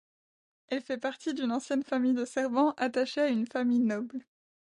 Elle fait partie d’une ancienne famille de servants, attachée à une famille noble.